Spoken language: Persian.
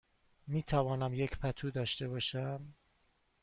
می توانم یک پتو داشته باشم؟